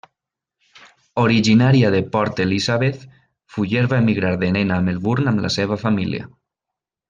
Originària de Port Elizabeth, Fuller va emigrar de nena a Melbourne amb la seva família.